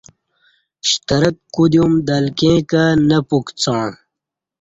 شترک کودیوم دلکیں کہ نہ پُکڅاݩع